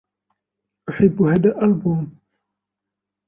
أحب هذا الألبوم.